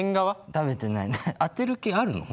当てる気あるの？